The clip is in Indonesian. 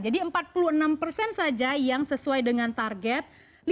jadi empat puluh enam persen saja yang sesuai dengan target